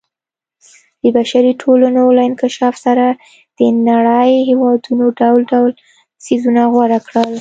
د بشري ټولنو له انکشاف سره د نړۍ هېوادونو ډول ډول څیزونه غوره کړل.